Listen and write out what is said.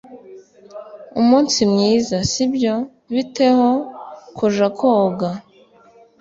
Umunsi mwiza, sibyo? Bite ho kuja koga?